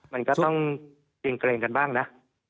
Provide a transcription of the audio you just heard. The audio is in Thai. มันก็ต้องเกรงเกรงกันบ้างนะ